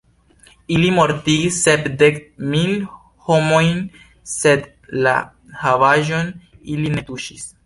Ili mortigis sepdek mil homojn, sed la havaĵon ili ne tuŝis.